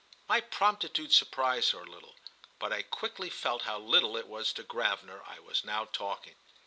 My promptitude surprised her a little, but I quickly felt how little it was to Gravener I was now talking.